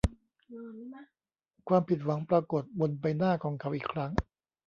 ความผิดหวังปรากฎบนใบหน้าของเขาอีกครั้ง